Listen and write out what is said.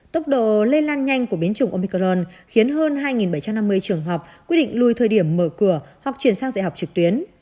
tốc độ lây lan nhanh của biến chủng omicron khiến hơn hai bảy trăm năm mươi trường học quyết định lùi thời điểm mở cửa hoặc chuyển sang dạy học trực tuyến